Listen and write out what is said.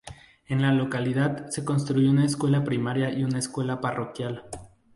En la localidad se construyó una escuela primaria y una escuela parroquial.